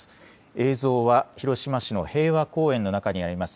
映像は広島市の平和公園の中にあります